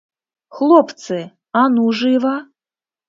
Хлопцы, а ну жыва!